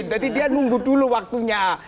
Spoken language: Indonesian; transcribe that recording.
jadi dia nunggu dulu waktunya